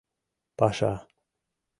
Паша.